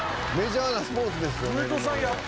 メジャーなスポーツですよ